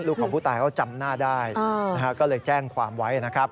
ของผู้ตายเขาจำหน้าได้ก็เลยแจ้งความไว้นะครับ